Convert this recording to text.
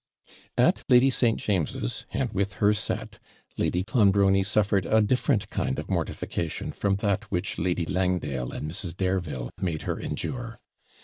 At Lady St, James's, and with her set, Lady Clonbrony suffered a different kind of mortification from that which Lady Langdale and Mrs. Dareville made her endure.